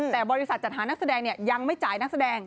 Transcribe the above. แต่บริษัทจัดหานักแสดงยังไม่จ่ายนักแสดง